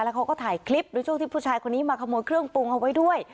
เขาก็ถ่ายคลิปในช่วงที่ผู้ชายคนนี้มาขโมยเครื่องปรุงเอาไว้ด้วย